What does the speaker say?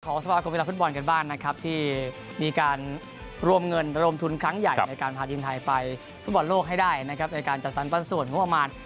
สมาคมกีฬาฟุตบอลกันบ้างนะครับที่มีการรวมเงินรวมทุนครั้งใหญ่ในการพาทีมไทยไปฟุตบอลโลกให้ได้นะครับในการจัดสรรปันส่วนงบประมาณ